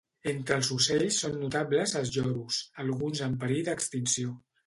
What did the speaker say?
Entre els ocells són notables els lloros, alguns en perill d'extinció.